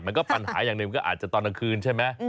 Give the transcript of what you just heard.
มันก็ปัญหาอย่างหนึ่งก็อาจจะตอนกลางคืนใช่ไหม